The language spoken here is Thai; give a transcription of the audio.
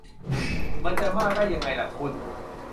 มันจะมากได้ยังไงล่ะคุณ -_